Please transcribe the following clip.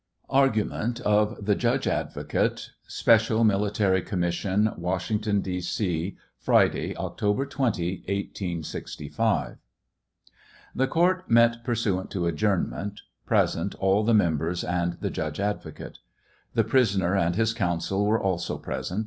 ARGUMENT OF THE JUDGE ADVOCATE. Special Military Commission, Washington, D. C, Friday, October 20, 1865. The court met pursuant to adjournment. Present all the members and t judge advocate. The prisoner and his counsel were also present.